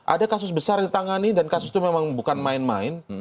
ada kasus besar ditangani dan kasus itu memang bukan main main